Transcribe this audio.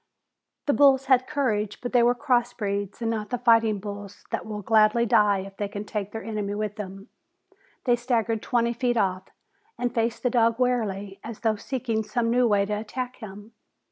The bulls had courage, but they were cross breeds and not the fighting bulls that will gladly die if they can take their enemy with them. They staggered twenty feet off and faced the dog warily, as though seeking some new way to attack him.